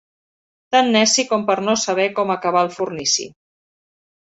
Tan neci com per no saber com acabar el fornici.